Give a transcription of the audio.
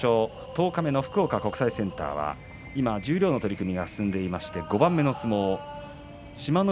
十日目の福岡国際センターは今十両の取組が進んでいまして５番目の相撲、志摩ノ